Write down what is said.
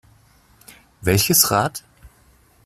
Welches Rad?